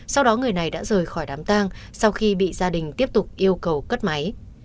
sau đó người này đã rời khỏi đám tang sau khi bị gia đình tiếp tục yêu cầu cất máy